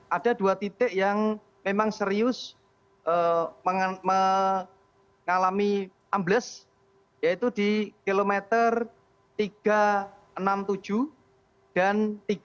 ada dua titik yang memang serius mengalami ambles yaitu di kilometer tiga ratus enam puluh tujuh dan tiga